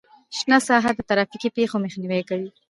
شنه ساحه د ترافیکي پیښو مخنیوی کوي